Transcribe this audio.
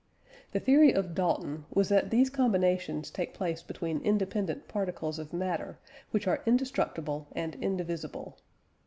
The theory of Dalton was that these combinations take place between independent particles of matter, which are indestructible and indivisible.